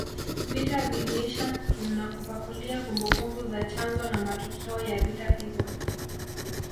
Vita viliisha tunakupakulia kumbukumbu za chanzo na matokeo ya vita hivyo